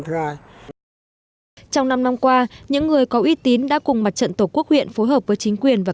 trong năm năm qua những người có uy tín đã cùng mặt trận tổ quốc huyện phối hợp với chính quyền và